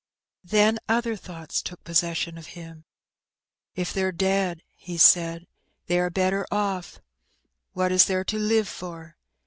Then other thoughts took possession of him. "K they're dead," he said, "they are better oflF: what is there to live for